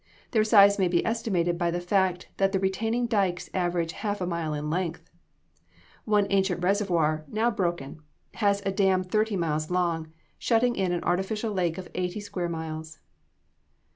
Their size may be estimated by the fact that the retaining dykes average half a mile in length. One ancient reservoir, now broken, had a dam thirty miles long, shutting in an artificial lake of eighty square miles.